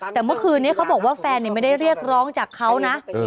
แต่เมื่อคืนนี้เขาบอกว่าแฟนไม่ได้เรียกร้องจากเขานะ